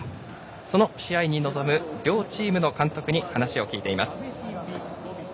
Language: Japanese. その試合に臨む両チームの監督に話を聞いています。